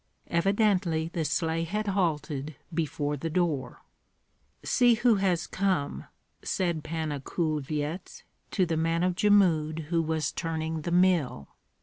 Evidently the sleigh had halted before the door. "See who has come," said Panna Kulvyets to the man of Jmud who was turning the mill.